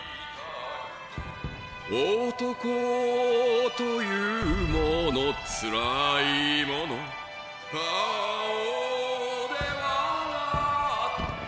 「男とゆうものつらいもの」「顔で笑って」